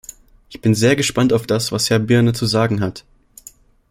Ich bin sehr gespannt auf das, was Herr Byrne zu sagen hat.